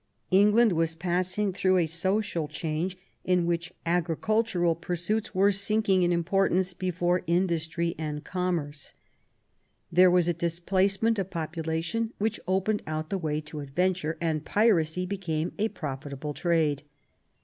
England was passing through a social change in which agricultural pur suits were sinking in importance before industry and ELIZABETH AND MARY STUART, log commerce. There was a displacement of population which opened out the way to adventure, and piracy became a profitable trade.